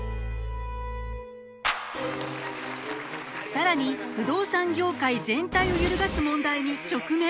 更に不動産業界全体を揺るがす問題に直面！